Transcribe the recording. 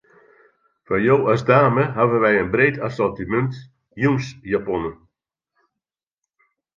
Foar jo as dame hawwe wy in breed assortimint jûnsjaponnen.